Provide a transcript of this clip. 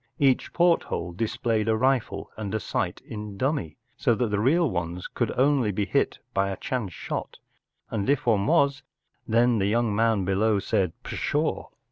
Each porthole displayed a rifle and sight in dummy, so that the real ones could only lie hit by a chance shot, and if one was, then the young man below said “Pshaw!"